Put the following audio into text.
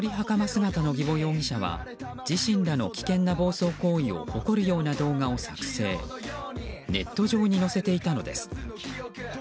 姿の儀保容疑者は自身らの危険な暴走行為を誇るような動画を作成しネット上に載せていたのです。